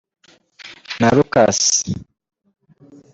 na Lucas